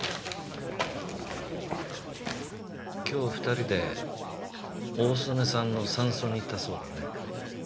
今日２人で大曾根さんの山荘に行ったそうだね？